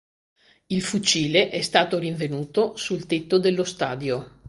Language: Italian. Il fucile è stato rinvenuto sul tetto dello stadio.